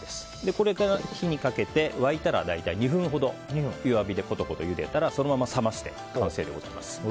これから火にかけて沸いたら大体２分ほど弱火でコトコトゆでたらそのまま冷まして完成でございます。